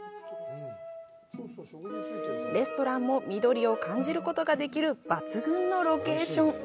レストランも緑を感じることができる抜群のロケーション。